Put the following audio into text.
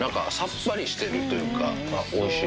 おいしい。